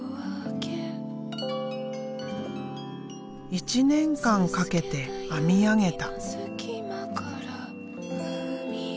１年間かけて編み上げた。